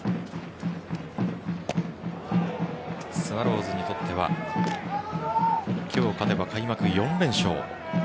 スワローズにとっては今日勝てば開幕４連勝。